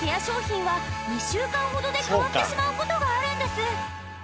商品は２週間ほどで変わってしまうことがあるんです！